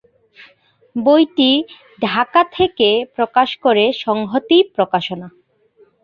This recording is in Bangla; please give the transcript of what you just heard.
বইটি ঢাকা থেকে প্রকাশ করে সংহতি প্রকাশনা।